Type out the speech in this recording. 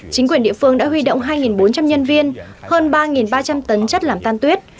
chính quyền địa phương đã huy động hai bốn trăm linh nhân viên hơn ba ba trăm linh tấn chất làm tan tuyết